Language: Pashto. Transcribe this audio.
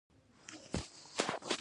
په خصوصي توګه د قلندر مومند